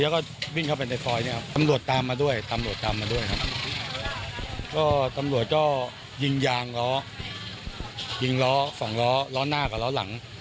แล้าก็วิ่งเข้าไปในคอยนี่ครับตำรวจตามมาด้วยตำรวจจ้อง